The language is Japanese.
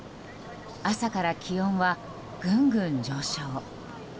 朝から気温はぐんぐん上昇。